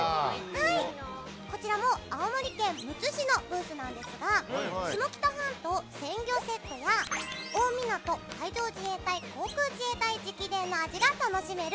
こちらも青森県むつ市ブースなんですが下北半島鮮魚セットや大湊海上自衛隊航空自衛隊直伝の味が楽しめる